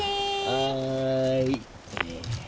はい。